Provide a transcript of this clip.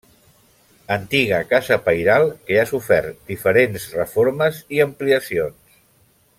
Antiga casa pairal que ha sofert diferents reformes i ampliacions.